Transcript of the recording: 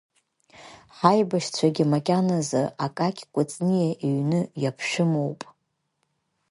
Ҳаибашьцәагьы макьаназы Акакь Кәыҵниа иҩны иаԥшәымоуп.